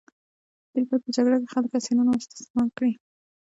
دوی باید په جګړه کې خلک اسیران او استثمار کړي.